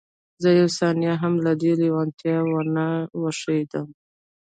زه یوه ثانیه هم له دې لېوالتیا وانه وښتم